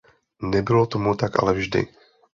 Nebylo tomu tak ale vždy.